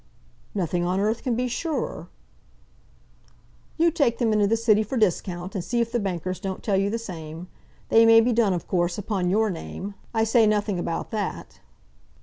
"Nothing on earth can be surer." "You take them into the City for discount, and see if the bankers don't tell you the same. They may be done, of course, upon your name. I say nothing about that."